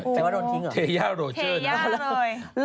แปลว่าโดนทิ้งเหรอโดนเทยากโหลเจ้อนะโดนเทยากโหลเจ้อนะ